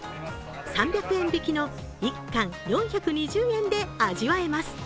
３００円引きの１貫４２０円で味わえます。